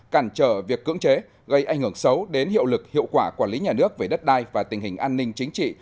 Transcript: cản trở việc cưỡng chế gây ảnh hưởng xấu đến hiệu lực hiệu quả quản lý nhà nước về đất đai và tình hình an ninh chính trị